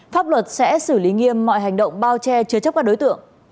pháp luật sẽ xử lý nghiêm mọi hành động bao che chứa chấp các đối tượng